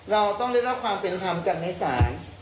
เราต้องได้รับความเป็นธรรมกันในศาล